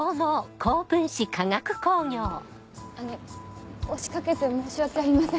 あの押しかけて申し訳ありません。